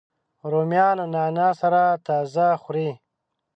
رومیان له نعناع سره تازه خوري